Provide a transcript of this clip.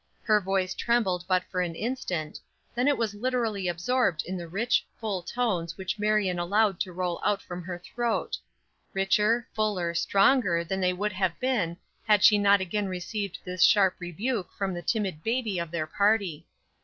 Her voice trembled but for an instant, then it was literally absorbed in the rich, full tones which Marion allowed to roll out from her throat richer, fuller, stronger than they would have been had she not again received this sharp rebuke from the timid baby of their party.